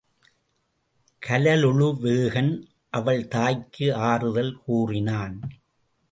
கலுழவேகன் அவள் தாய்க்கு ஆறுதல் கூறினான்.